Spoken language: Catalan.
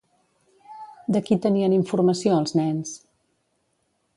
De qui tenien informació els nens?